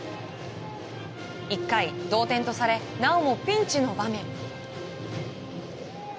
１回、同点とされなおもピンチの場面。